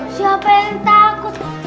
siapa yang takut